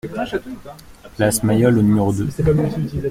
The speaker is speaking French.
Place Mayol au numéro deux